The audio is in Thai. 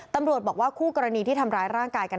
ตำรวจบอกว่าคู่กรณีที่ทำร้ายร่างกายกัน